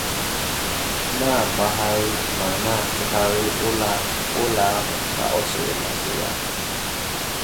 na-agbàgharị ma na-atụgharị ụlọ ahụ ka o siri masị ya.